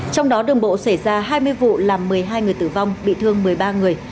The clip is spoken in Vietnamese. trong đó đường bộ xảy ra hai mươi vụ làm một mươi hai người tử vong bị thương một mươi ba người